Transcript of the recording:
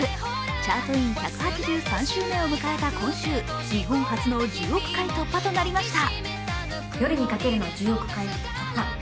チャートイン１８３周目を迎えた今週日本初の１０億回突破となりました。